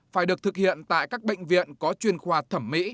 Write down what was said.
phải được thực hiện tại các bệnh viện có chuyên khoa thẩm mỹ